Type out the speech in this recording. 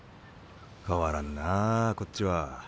変わらんなあこっちは。